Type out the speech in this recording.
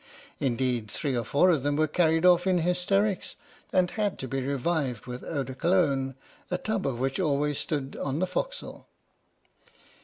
Indeed three or four of them were carried off in hysterics, and had to be revived with eau de Cologne, a tub of which always stood on the forecastle.